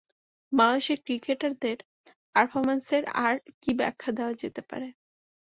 বাংলাদেশের ক্রিকেটারদের পারফরম্যান্সের আর কী ব্যাখ্যা দেওয়া যেতে পারে?